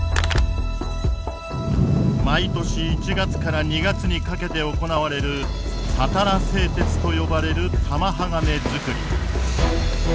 毎年１月から２月にかけて行われるたたら製鉄と呼ばれる玉鋼づくり。